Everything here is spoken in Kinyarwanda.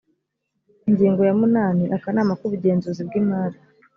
ingingo ya munani akanama k ubugenzuzi bw imari